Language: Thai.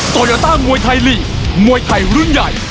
โตโยต้ามวยไทยลีกมวยไทยรุ่นใหญ่